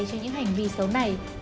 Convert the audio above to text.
cho những hành vi xấu này